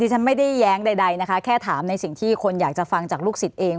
ฉันไม่ได้แย้งใดนะคะแค่ถามในสิ่งที่คนอยากจะฟังจากลูกศิษย์เอง